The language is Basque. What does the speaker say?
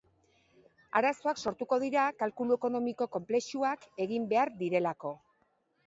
Arazoak sortuko dira kalkulu ekonomiko konplexuak egin behar direlako.